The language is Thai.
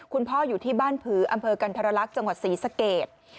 คุณพ่ออยู่ที่บ้านผืออำเภอกันธรรลักษณ์จังหวัดศรีสเกต